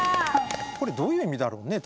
これどういう意味だろうね？